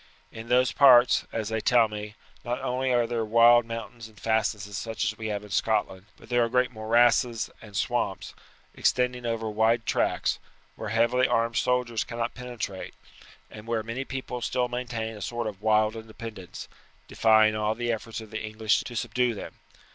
In those parts, as they tell me, not only are there wild mountains and fastnesses such as we have in Scotland, but there are great morasses and swamps, extending over wide tracts, where heavy armed soldiers cannot penetrate, and where many people still maintain a sort of wild independence, defying all the efforts of the English to subdue them.